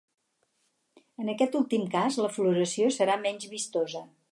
En aquest últim cas la floració serà menys vistosa.